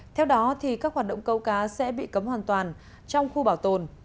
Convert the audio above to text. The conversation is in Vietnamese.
theo đó các hoạt động câu cá sẽ bị cấm hoàn toàn trong khu bảo tồn